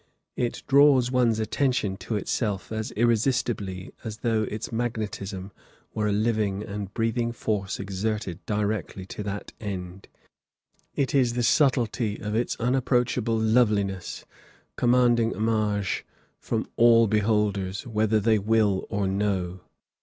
It draws one's attention to itself as irresistibly as though its magnetism were a living and breathing force exerted directly to that end. It is the subtlety of its unapproachable loveliness, commanding homage from all beholders, whether they will or no.